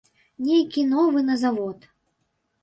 Нейкі новы на завод.